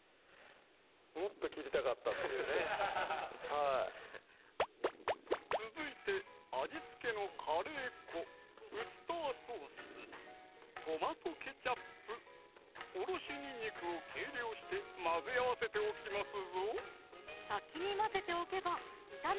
もっと切りたかったっていうね続いて味付けのカレー粉・ウスターソース・トマトケチャップ・おろしにんにくを計量して混ぜ合わせておきます